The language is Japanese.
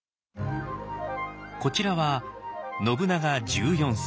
こちらは信長１４歳。